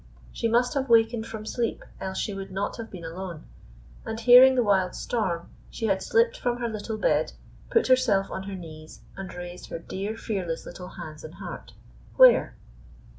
She must have wakened from sleep, else she would not have been alone. And hearing the wild storm, she had slipped from her little bed, put herself on her knees, and raised her dear, fearless little hands and heart where?